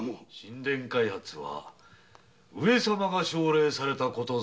「開発」は上様が奨励された事ぞ。